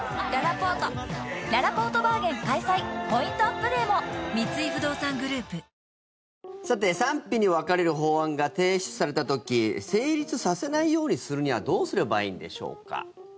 ポイントアップデーも賛否に分かれる法案が提出された時成立させないようにするにはどうすればいいんでしょうか。